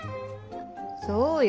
そうよ。